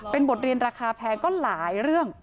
เป็นบทเรียนราคาแพงก็หลายเรื่อง